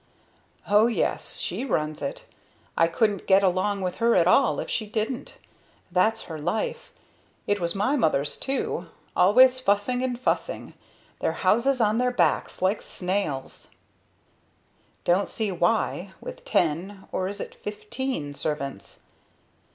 "Oh yes, she runs it. I couldn't get along with her at all if she didn't. That's her life. It was my mother's too. Always fussing and fussing. Their houses on their backs like snails!" "Don't see why, with ten (or is it fifteen?) servants."